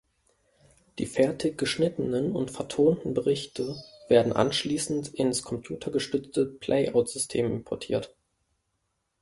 Die fertig geschnittenen und vertonten Berichte werden anschliessend ins computergestützte Playout-System importiert.